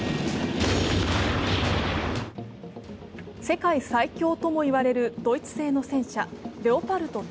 世界最強とも言われるドイツ製の戦車・レオパルト２。